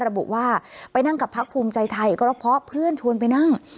ระบุว่าไปนั่งกับพักภูมิใจไทยก็เพราะเพื่อนชวนไปนั่ง